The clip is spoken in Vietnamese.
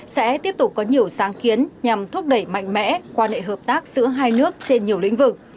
sẽ tiếp tục có nhiều sáng kiến nhằm thúc đẩy mạnh mẽ quan hệ hợp tác giữa hai nước trên nhiều lĩnh vực